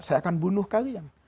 saya akan bunuh kalian